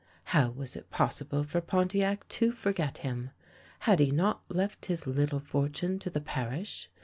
How was it pos sible for Pontiac to forget him? Had he not left his little fortune to the parish?